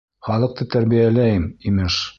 Халыҡты тәрбиәләйем, имеш!